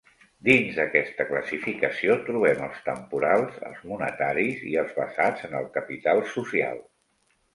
Dins d'aquesta classificació trobem els temporals, els monetaris i els basats en el capital social.